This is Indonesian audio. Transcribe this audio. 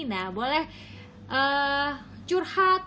nah boleh curhat